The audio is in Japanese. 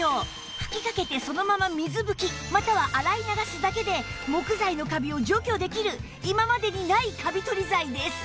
吹きかけてそのまま水拭きまたは洗い流すだけで木材のカビを除去できる今までにないカビ取り剤です